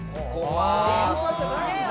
イルカじゃないんだ。